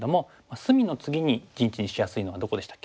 隅の次に陣地にしやすいのがどこでしたっけ？